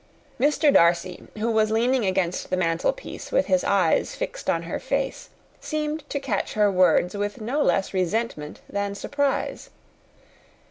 Mr. Darcy, who was leaning against the mantel piece with his eyes fixed on her face, seemed to catch her words with no less resentment than surprise.